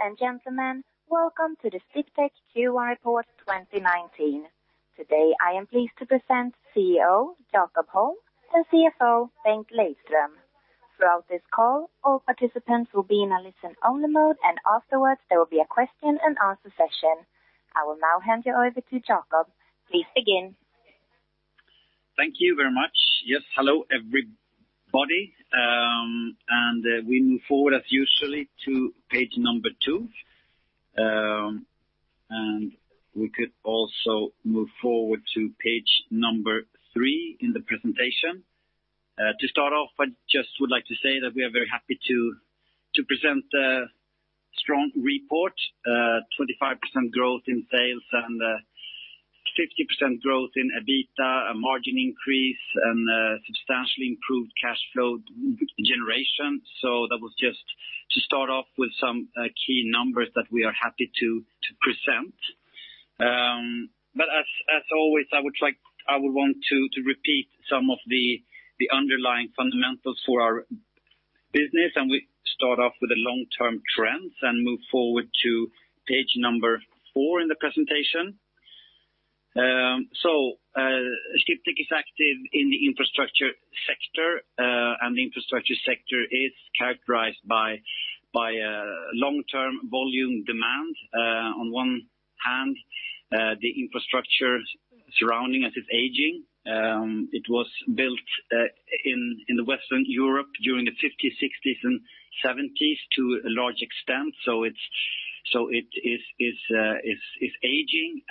Ladies and gentlemen, welcome to the Sdiptech Q1 Report 2019. Today, I am pleased to present CEO Jakob Holm and CFO Bengt Lejdström. Throughout this call, all participants will be in a listen-only mode, and afterwards, there will be a question and answer session. I will now hand you over to Jakob. Please begin. Thank you very much. Yes. Hello, everybody. We move forward as usually to page number two. We could also move forward to page number three in the presentation. To start off, I just would like to say that we are very happy to present a strong report, 25% growth in sales and 50% growth in EBITDA, a margin increase, and a substantially improved cash flow generation. That was just to start off with some key numbers that we are happy to present. As always, I would want to repeat some of the underlying fundamentals for our business. We start off with the long-term trends and move forward to page number four in the presentation. Sdiptech is active in the infrastructure sector. The infrastructure sector is characterized by a long-term volume demand. On one hand, the infrastructure surrounding us is aging. It was built in the Western Europe during the '50s, '60s, and '70s to a large extent. It is aging.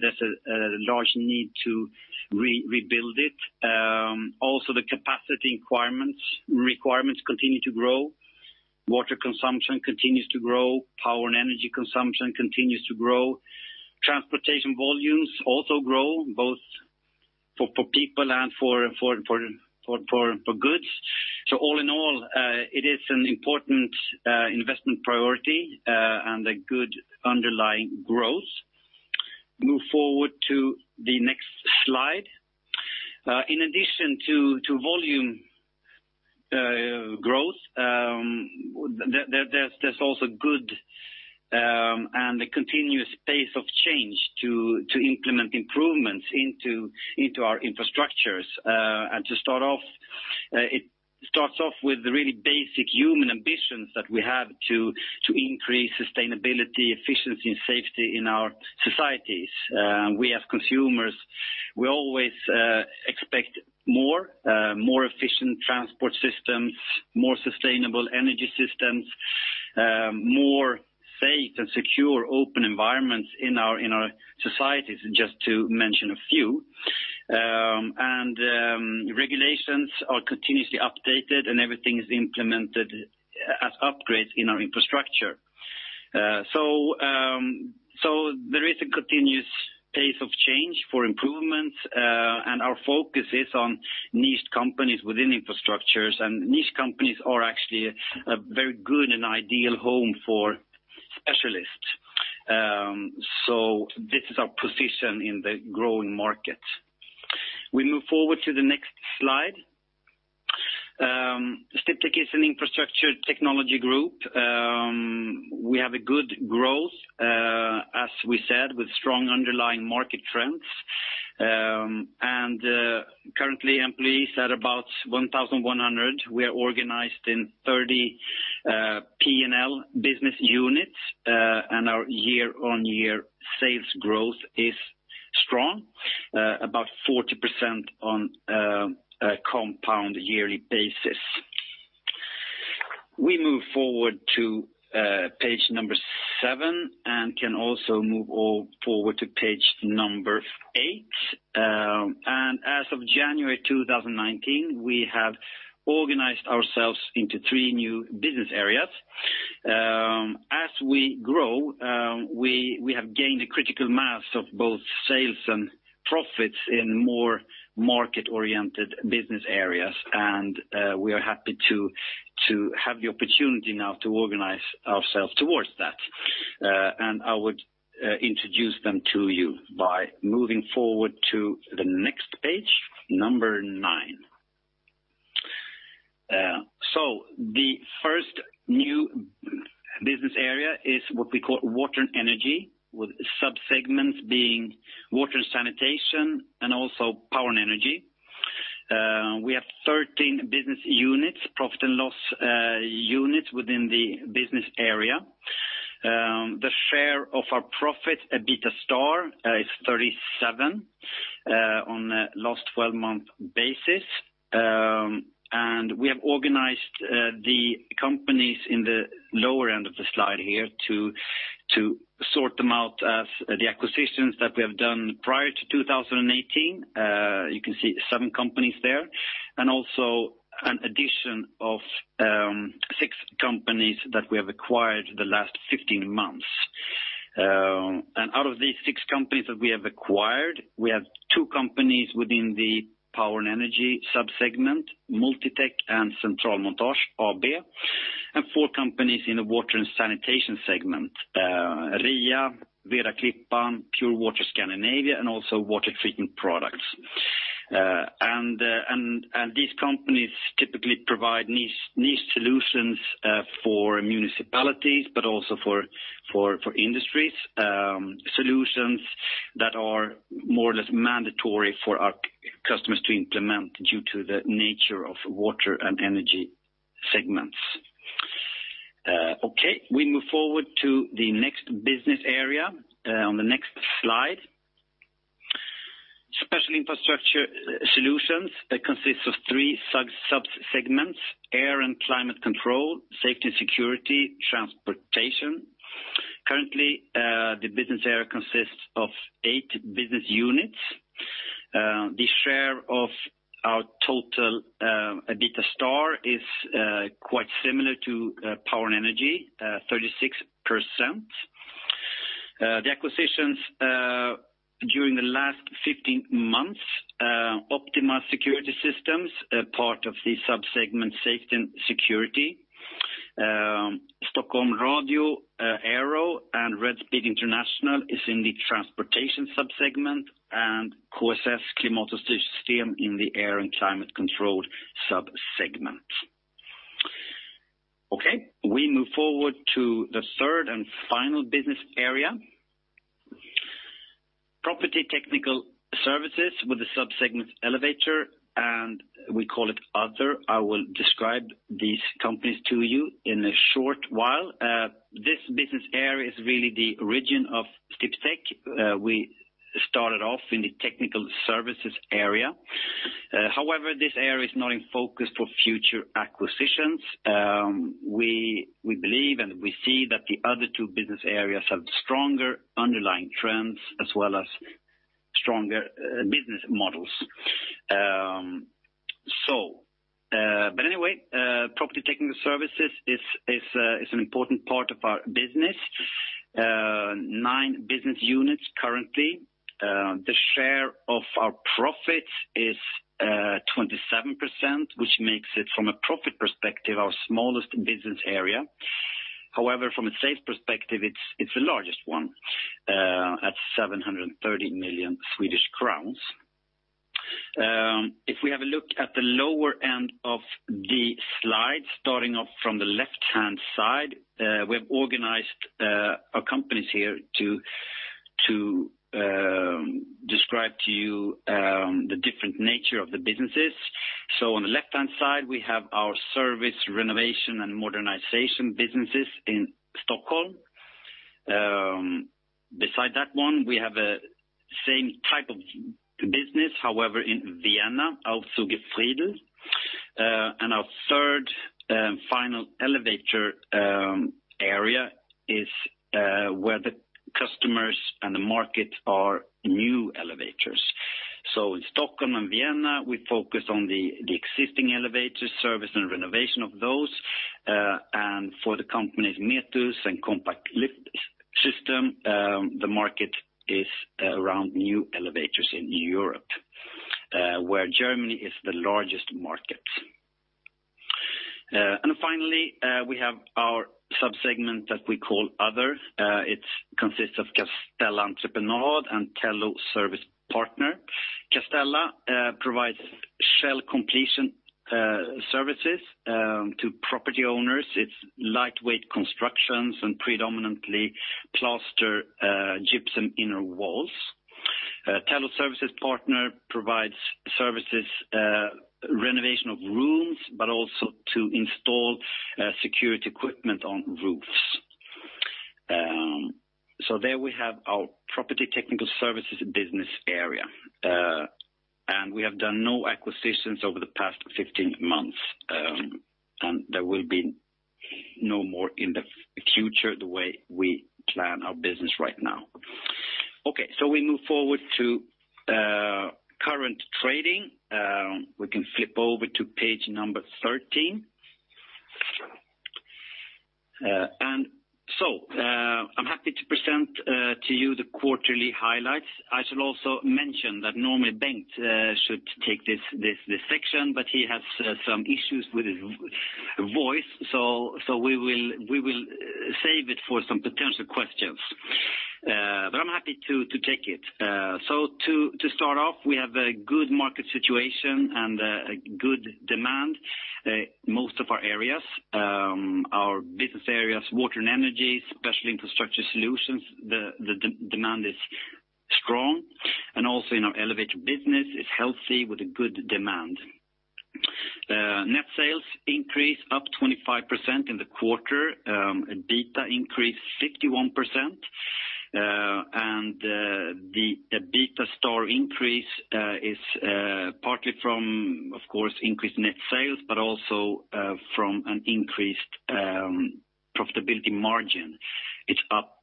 There's a large need to rebuild it. Also, the capacity requirements continue to grow. Water consumption continues to grow. Power and energy consumption continues to grow. Transportation volumes also grow, both for people and for goods. All in all, it is an important investment priority and a good underlying growth. Move forward to the next slide. In addition to volume growth, there's also good and a continuous pace of change to implement improvements into our infrastructures. To start off, it starts off with the really basic human ambitions that we have to increase sustainability, efficiency, and safety in our societies. We as consumers, we always expect more, more efficient transport systems, more sustainable energy systems, more safe and secure open environments in our societies, just to mention a few. Regulations are continuously updated. Everything is implemented as upgrades in our infrastructure. There is a continuous pace of change for improvements. Our focus is on niche companies within infrastructures. Niche companies are actually a very good and ideal home for specialists. This is our position in the growing market. We move forward to the next slide. Sdiptech is an infrastructure technology group. We have a good growth, as we said, with strong underlying market trends. Currently employees are about 1,100. We are organized in 30 P&L business units. Our year-on-year sales growth is strong, about 40% on a compound yearly basis. We move forward to page number seven and can also move forward to page number eight. As of January 2019, we have organized ourselves into three new business areas. As we grow, we have gained a critical mass of both sales and profits in more market-oriented business areas, and we are happy to have the opportunity now to organize ourselves towards that. I would introduce them to you by moving forward to the next page number nine. The first new business area is what we call water and energy, with sub-segments being water and sanitation and also power and energy. We have 13 business units, profit and loss units within the business area. The share of our profit, EBITDA, is 37% on a last 12-month basis. We have organized the companies in the lower end of the slide here to sort them out as the acquisitions that we have done prior to 2018. You can see seven companies there, and also an addition of six companies that we have acquired the last 15 months. Out of these six companies that we have acquired, we have two companies within the power and energy sub-segment, Multitech and Centralmontage AB, and four companies in the water and sanitation segment. RIA, Vera Klippan, Pure Water Scandinavia, and also Water Treatment Products. These companies typically provide niche solutions for municipalities, but also for industries. Solutions that are more or less mandatory for our customers to implement due to the nature of water and energy segments. We move forward to the next business area on the next slide. Special infrastructure solutions that consists of three sub-segments: air and climate control, safety and security, transportation. Currently, the business area consists of eight business units. The share of our total EBITDA is quite similar to power and energy, 36%. The acquisitions during the last 15 months, Optyma Security Systems, part of the sub-segment safety and security. Stockholmradio, Arrow, and RedSpeed International is in the transportation sub-segment, and KSS Klimat- & Styrsystem in the air and climate control sub-segment. We move forward to the third and final business area. Property technical services with a sub-segment elevator, and we call it other. I will describe these companies to you in a short while. This business area is really the origin of Sdiptech. We started off in the technical services area. However, this area is not in focus for future acquisitions. We believe and we see that the other two business areas have stronger underlying trends as well as stronger business models. Anyway, property technical services is an important part of our business. Nine business units currently. The share of our profits is 27%, which makes it, from a profit perspective, our smallest business area. However, from a sales perspective, it's the largest one at 730 million Swedish crowns. If we have a look at the lower end of the slide, starting off from the left-hand side, we've organized our companies here to describe to you the different nature of the businesses. On the left-hand side, we have our service renovation and modernization businesses in Stockholm. Beside that one, we have a same type of business, however, in Vienna, also Aufzüge Friedl. Our third and final elevator area is where the customers and the market are new elevators. In Stockholm and Vienna, we focus on the existing elevator service and renovation of those, and for the companies Metus and Liftsystems, the market is around new elevators in Europe, where Germany is the largest market. Finally, we have our sub-segment that we call other. It consists of Castella Entreprenad and Tello Service Partner. Castella provides shell completion services to property owners. It's lightweight constructions and predominantly plaster gypsum inner walls. Tello Service Partner provides services, renovation of rooms, but also to install security equipment on roofs. There we have our property technical services business area. We have done no acquisitions over the past 15 months, and there will be no more in the future, the way we plan our business right now. We move forward to current trading. We can flip over to page number 13. I'm happy to present to you the quarterly highlights. I should also mention that normally Bengt should take this section, but he has some issues with his voice. We will save it for some potential questions. But I'm happy to take it. To start off, we have a good market situation and a good demand. Most of our areas, our business areas, water and energy, special infrastructure solutions, the demand is strong. Also in our elevator business is healthy with a good demand. Net sales increase up 25% in the quarter. EBITDA increased 51%. The EBITDA's increase is partly from, of course, increased net sales, but also from an increased profitability margin. It's up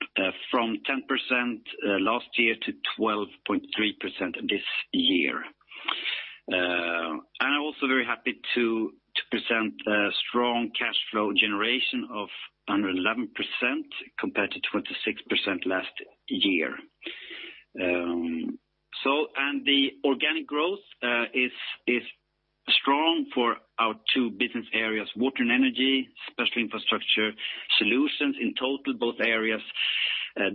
from 10% last year to 12.3% this year. I'm also very happy to present a strong cash flow generation of 111% compared to 26% last year. The organic growth is strong for our two business areas, water and energy, especially infrastructure solutions. In total, both areas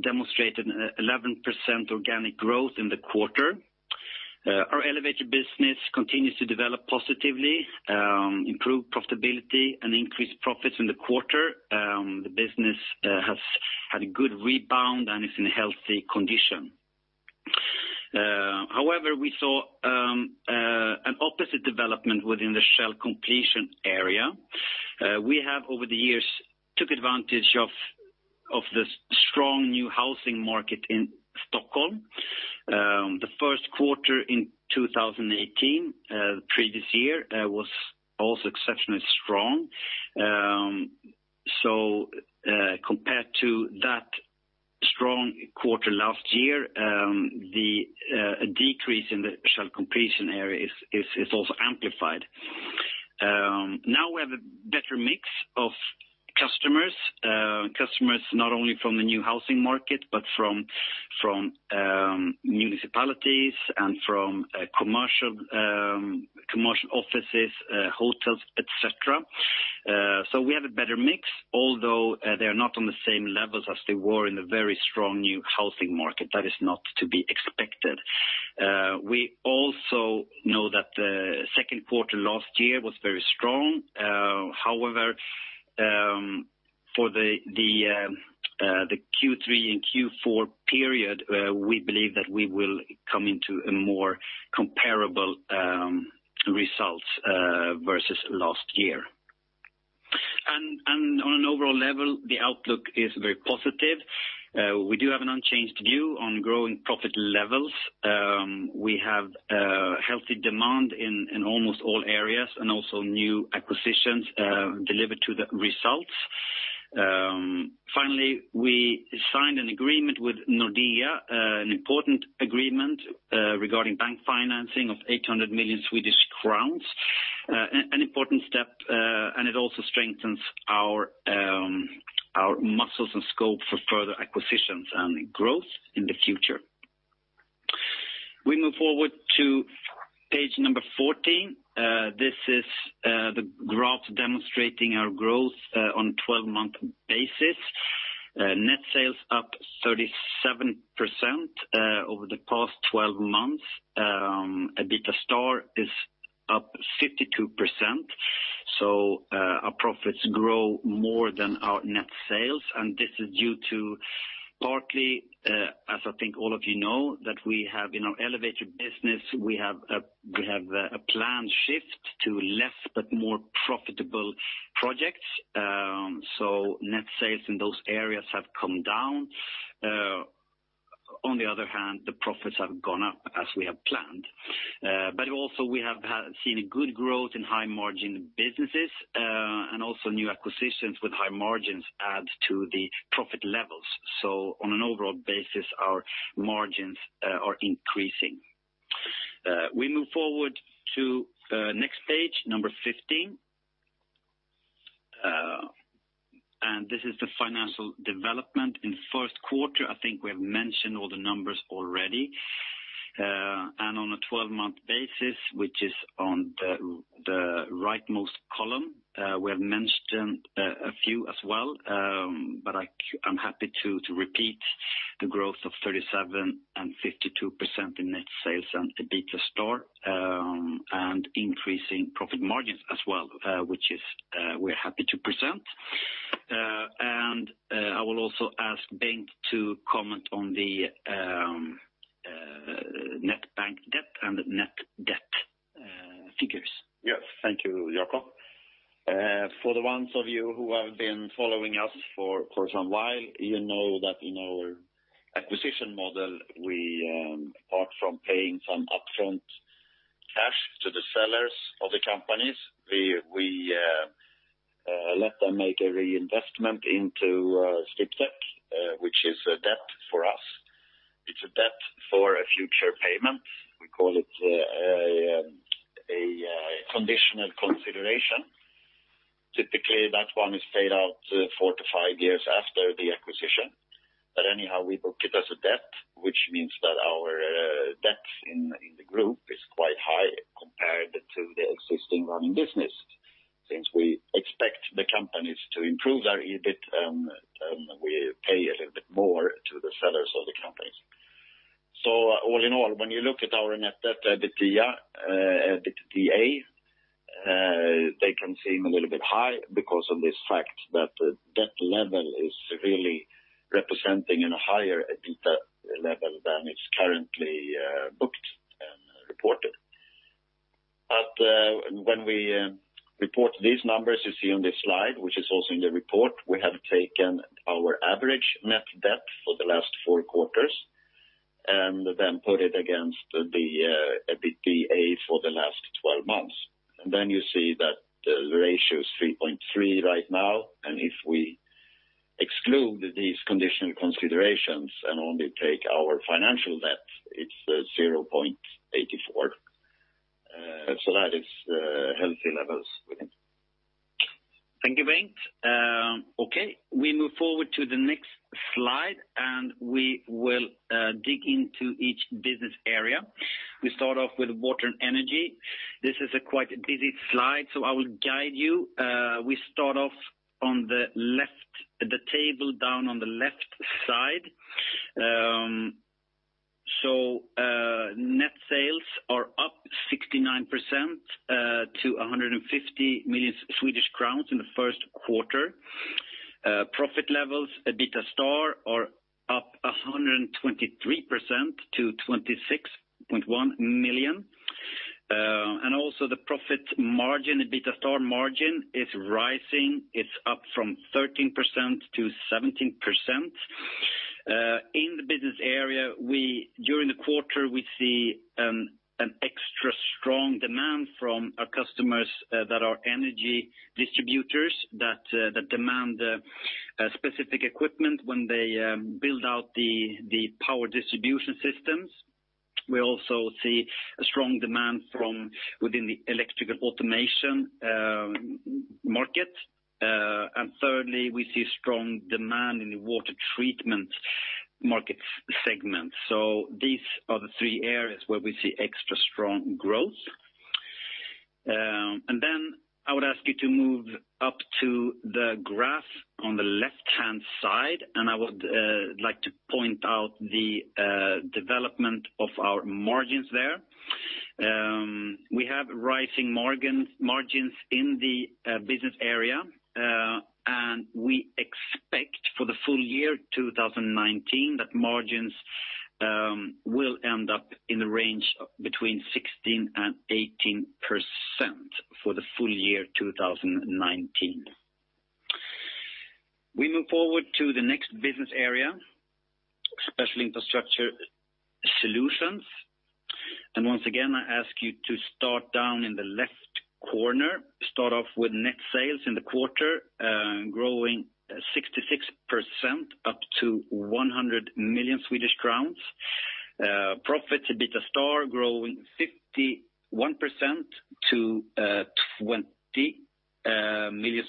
demonstrated 11% organic growth in the quarter. Our elevator business continues to develop positively, improve profitability, and increase profits in the quarter. The business has had a good rebound and is in a healthy condition. However, we saw an opposite development within the shell completion area. We have, over the years, took advantage of this strong new housing market in Stockholm. The first quarter in 2018, the previous year, was also exceptionally strong. Compared to that strong quarter last year, the decrease in the shell completion area is also amplified. We have a better mix of customers. Customers not only from the new housing market, but from municipalities and from commercial offices, hotels, et cetera. We have a better mix of customers, although they are not on the same levels as they were in the very strong new housing market. That is not to be expected. We also know that the second quarter last year was very strong. However, for the Q3 and Q4 period, we believe that we will come into a more comparable results versus last year. On an overall level, the outlook is very positive. We do have an unchanged view on growing profit levels. We have a healthy demand in almost all areas and also new acquisitions delivered to the results. Finally, we signed an agreement with Nordea, an important agreement regarding bank financing of 800 million Swedish crowns. An important step, it also strengthens our muscles and scope for further acquisitions and growth in the future. We move forward to page number 14. This is the graph demonstrating our growth on 12-month basis. Net sales up 37% over the past 12 months. EBITDA score is up 52%, our profits grow more than our net sales. This is due to partly, as I think all of you know, that we have in our elevator business, we have a planned shift to less but more profitable projects. Net sales in those areas have come down. On the other hand, the profits have gone up as we have planned. Also we have seen a good growth in high margin businesses, and also new acquisitions with high margins add to the profit levels. On an overall basis, our margins are increasing. We move forward to next page, number 15. This is the financial development in first quarter. I think we have mentioned all the numbers already. On a 12-month basis, which is on the rightmost column, we have mentioned a few as well, but I'm happy to repeat the growth of 37% and 52% in net sales and EBITDA Star, and increasing profit margins as well, which we're happy to present. I will also ask Bengt to comment on the net bank debt and net debt figures. Yes. Thank you, Jakob. For the ones of you who have been following us for some while, you know that in our acquisition model, we, apart from paying some upfront cash to the sellers of the companies, we let them make a reinvestment into Sdiptech, which is a debt for us. It's a debt for a future payment. We call it a conditional consideration. Typically, that one is paid out four to five years after the acquisition. Anyhow, we book it as a debt, which means that our debt in the group is quite high compared to the existing running business. Since we expect the companies to improve their EBIT, we pay a little bit more to the sellers of the companies. All in all, when you look at our net debt to EBITDA, they can seem a little bit high because of this fact that debt level is really representing in a higher EBITDA level than it's currently booked and reported. When we report these numbers you see on this slide, which is also in the report, we have taken our average net debt for the last four quarters and then put it against the EBITDA for the last 12 months. You see that the ratio is 3.3 right now, if we exclude these conditional considerations and only take our financial debt, it's 0.84. That is healthy levels Thank you, Bengt. We move forward to the next slide, we will dig into each business area. We start off with water and energy. This is a quite busy slide, I will guide you. We start off on the table down on the left side. Net sales are up 69% to 150 million Swedish crowns in the first quarter. Profit levels, EBITDA star are up 123% to 26.1 million. Also the profit margin, EBITDA star margin, is rising. It's up from 13% to 17%. In the business area, during the quarter, we see an extra strong demand from our customers that are energy distributors, that demand specific equipment when they build out the power distribution systems. We also see a strong demand from within the electrical automation market. Thirdly, we see strong demand in the water treatment market segment. These are the three areas where we see extra strong growth. I would ask you to move up to the graph on the left-hand side, I would like to point out the development of our margins there. We have rising margins in the business area. We expect for the full year 2019 that margins will end up in the range between 16%-18% for the full year 2019. We move forward to the next business area, special infrastructure solutions. Once again, I ask you to start down in the left corner. Start off with net sales in the quarter, growing 66% up to 100 million Swedish crowns. Profit EBITDA star growing 51% to SEK 20 million.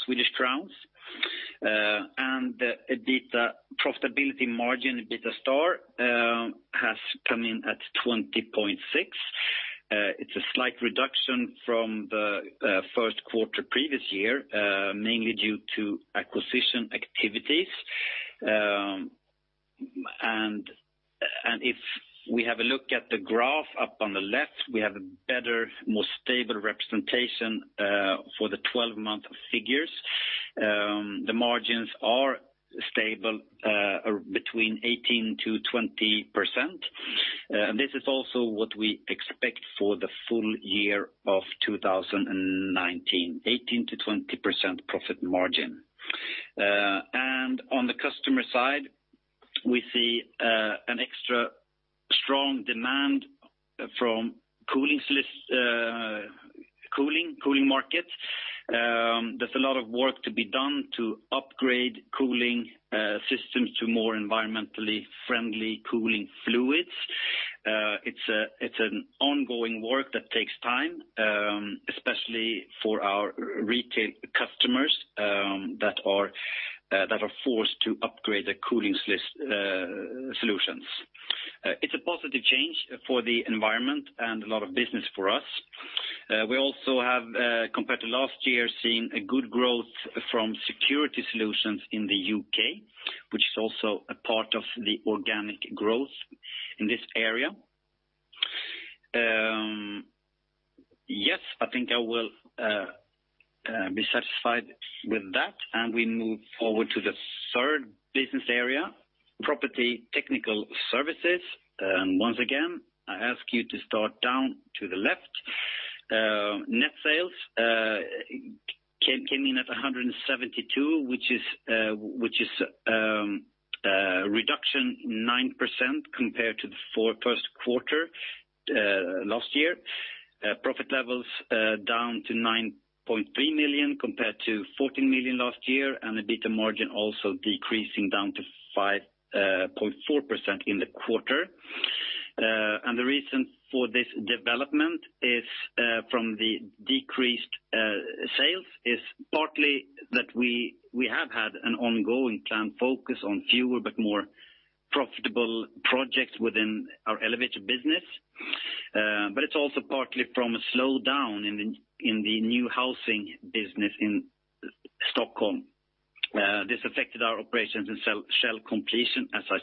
The profitability margin, EBITDA star, has come in at 20.6%. It's a slight reduction from the first quarter previous year, mainly due to acquisition activities. If we have a look at the graph up on the left, we have a better, more stable representation for the 12-month figures. The margins are stable between 18%-20%. This is also what we expect for the full year of 2019, 18%-20% profit margin. On the customer side, we see an extra strong demand from cooling markets. There's a lot of work to be done to upgrade cooling systems to more environmentally friendly cooling fluids. It's an ongoing work that takes time, especially for our retail customers that are forced to upgrade their cooling solutions. It's a positive change for the environment and a lot of business for us. We also have, compared to last year, seen a good growth from security solutions in the U.K., which is also a part of the organic growth in this area. I think I will be satisfied with that. We move forward to the third business area, property technical services. Once again, I ask you to start down to the left. Net sales came in at 172 million, which is a reduction 9% compared to the first quarter last year. Profit levels down to 9.3 million compared to 14 million last year, EBITDA margin also decreasing down to 5.4% in the quarter. The reason for this development is from the decreased sales is partly that we have had an ongoing planned focus on fewer but more profitable projects within our elevator business. It's also partly from a slowdown in the new housing business in Stockholm. This affected our operations in Shell Completion, as I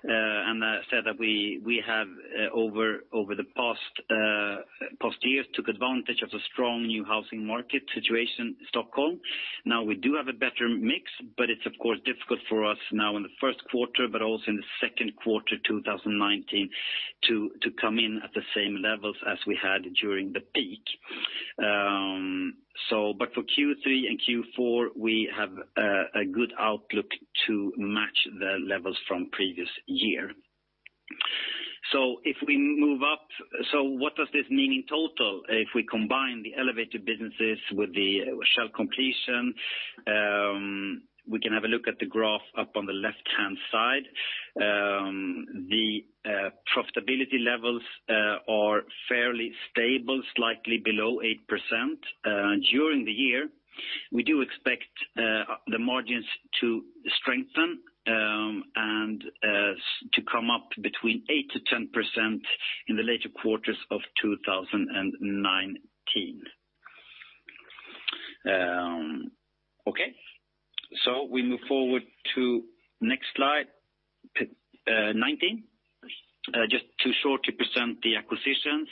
said. I said that we have, over the past years, took advantage of the strong new housing market situation in Stockholm. Now we do have a better mix, it's of course difficult for us now in the first quarter, but also in the second quarter 2019 to come in at the same levels as we had during the peak. For Q3 and Q4, we have a good outlook to match the levels from previous year. If we move up, what does this mean in total? If we combine the elevator businesses with the shell completion. We can have a look at the graph up on the left-hand side. The profitability levels are fairly stable, slightly below 8%. During the year, we do expect the margins to strengthen and to come up between 8%-10% in the later quarters of 2019. Okay. We move forward to next slide 19. Just to shortly present the acquisitions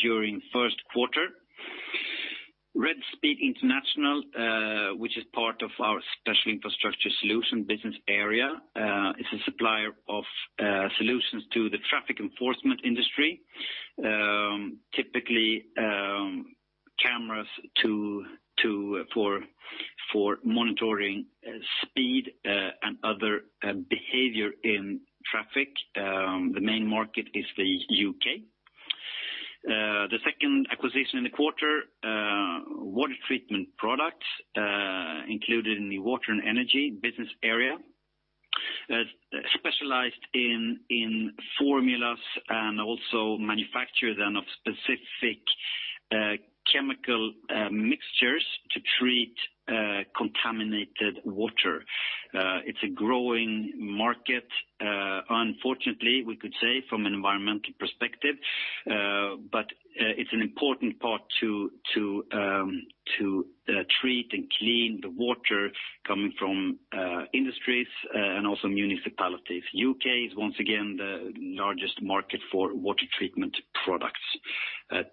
during first quarter. RedSpeed International, which is part of our Special Infrastructure Solutions business area, is a supplier of solutions to the traffic enforcement industry. Typically, cameras for monitoring speed and other behavior in traffic. The main market is the U.K. The second acquisition in the quarter, Water Treatment Products, included in the Water and Energy business area, specialized in formulas and also manufacture them of specific chemical mixtures to treat contaminated water. It's a growing market, unfortunately, we could say from an environmental perspective, but it's an important part to treat and clean the water coming from industries and also municipalities. The U.K. is once again the largest market for water treatment products.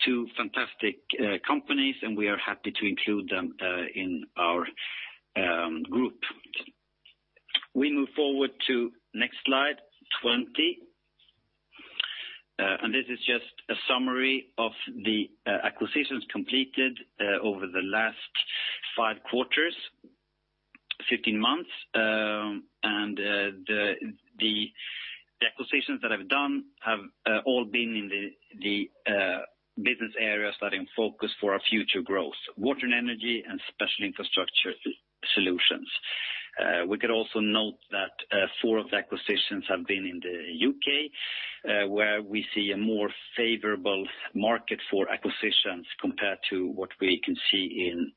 Two fantastic companies, and we are happy to include them in our group. We move forward to next slide 20. This is just a summary of the acquisitions completed over the last five quarters, 15 months. The acquisitions that I've done have all been in the business areas that in focus for our future growth, Water and Energy and Special Infrastructure Solutions. We could also note that four of the acquisitions have been in the U.K., where we see a more favorable market for acquisitions compared to what we can see in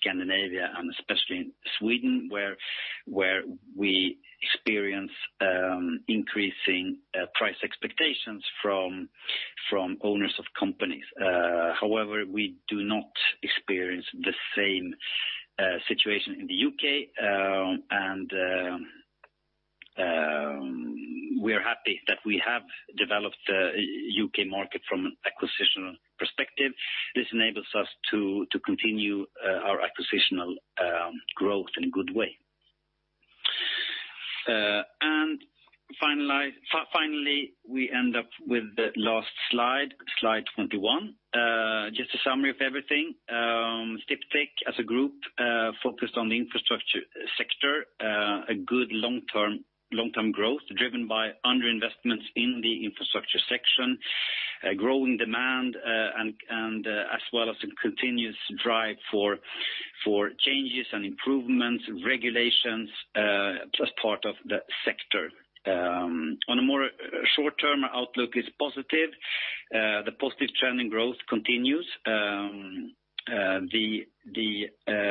Scandinavia and especially in Sweden, where we experience increasing price expectations from owners of companies. However, we do not experience the same situation in the U.K., and we are happy that we have developed the U.K. market from an acquisitional perspective. This enables us to continue our acquisitional growth in a good way. Finally, we end up with the last slide 21. Just a summary of everything. Sdiptech as a group focused on the infrastructure sector, a good long-term growth driven by underinvestment in the infrastructure section, growing demand, and as well as a continuous drive for changes and improvements, regulations as part of the sector. On a more short-term outlook is positive. The positive trend in growth continues. The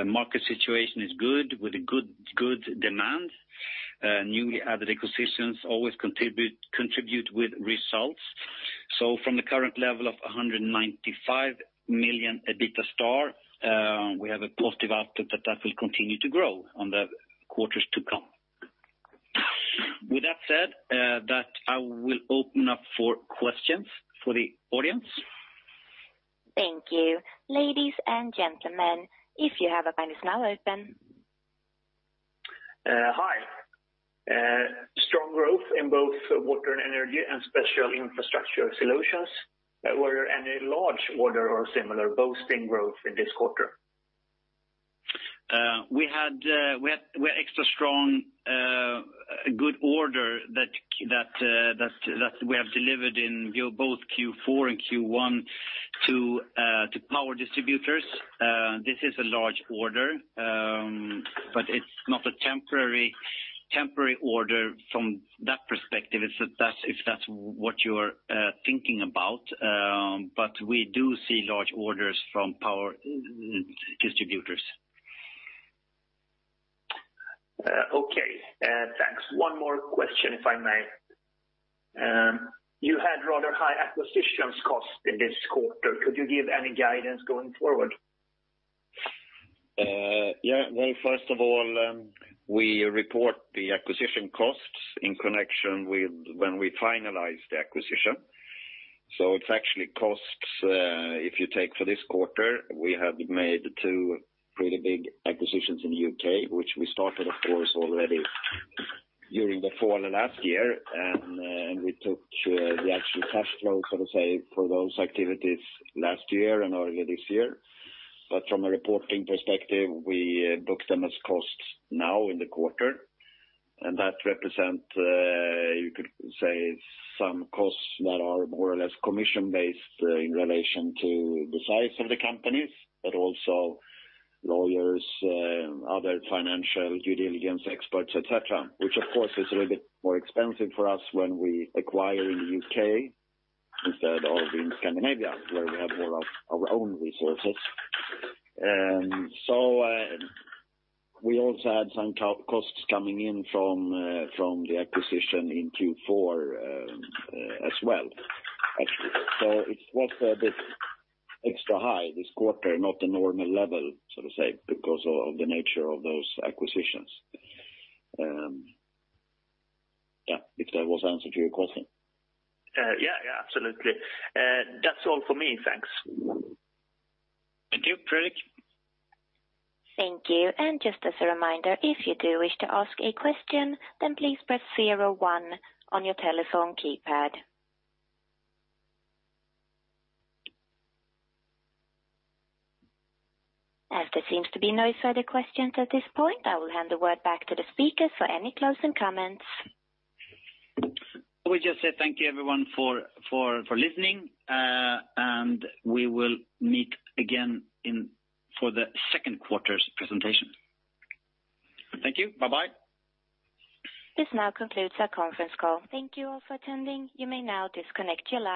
market situation is good with a good demand. Newly added acquisitions always contribute with results. From the current level of 195 million EBITDA Star, we have a positive outlook that will continue to grow on the quarters to come. With that said, I will open up for questions for the audience. Thank you. Ladies and gentlemen, if you have a line is now open. Hi. Strong growth in both water and energy and special infrastructure solutions. Were any large order or similar boasting growth in this quarter? We had extra strong good order that we have delivered in both Q4 and Q1 to power distributors. This is a large order, but it is not a temporary order from that perspective, if that is what you are thinking about, but we do see large orders from power distributors. Okay, thanks. One more question, if I may. You had rather high acquisitions cost in this quarter. Could you give any guidance going forward? First of all, we report the acquisition costs in connection with when we finalize the acquisition. It's actually costs, if you take for this quarter, we have made two pretty big acquisitions in the U.K., which we started, of course, already during the fall of last year. We took the actual cash flow, so to say, for those activities last year and earlier this year. From a reporting perspective, we book them as costs now in the quarter. That represent, you could say some costs that are more or less commission-based in relation to the size of the companies, but also lawyers, other financial due diligence experts, et cetera, which, of course, is a little bit more expensive for us when we acquire in the U.K. instead of in Scandinavia, where we have more of our own resources. We also had some costs coming in from the acquisition in Q4 as well. It was a bit extra high this quarter, not the normal level, so to say, because of the nature of those acquisitions. If that was answer to your question? Absolutely. That's all for me. Thanks. Thank you. Fredrik? Thank you. Just as a reminder, if you do wish to ask a question, please press zero one on your telephone keypad. There seems to be no further questions at this point, I will hand the word back to the speaker for any closing comments. We just say thank you everyone for listening. We will meet again for the second quarter's presentation. Thank you. Bye-bye. This now concludes our conference call. Thank you all for attending. You may now disconnect your line.